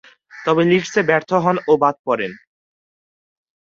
তবে, লিডসে ব্যর্থ হন ও বাদ পড়েন।